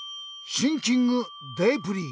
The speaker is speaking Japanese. シンキングデープリー。